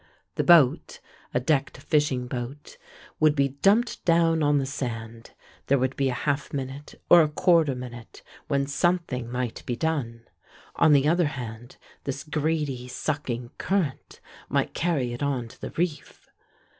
The boat, a decked fishing boat, would be dumped down on the sand: there would be a half minute, or a quarter minute, when something might be done. On the other hand this greedy sucking current might carry it on to the reef.